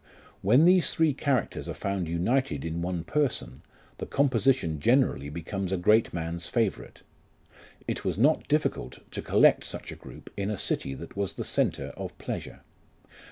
When these three characters are found united in one person, the composition generally becomes a great man's favourite. It was not difficult to collect such a group in a city that was the centre of pleasure.